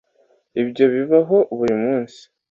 Ibyo bibaho buri munsi.